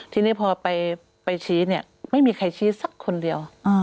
ทีนี้พอไปชี้เนี่ยไม่มีใครชี้สักคนเดียว